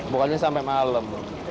bukannya sampai malam